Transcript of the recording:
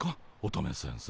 乙女先生。